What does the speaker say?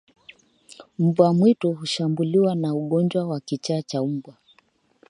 Mbwa mwitu hushambuliwa na ugonjwa wa kichaa cha mbwa